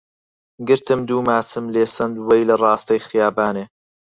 گرتم دوو ماچم لێ سەند وەی لە ڕاستەی خیابانێ